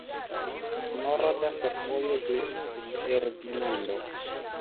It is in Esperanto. Norda fervojo de Ferdinando.